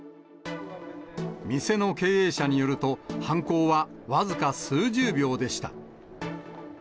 店の経営者によると、犯行は僅か数十秒でした。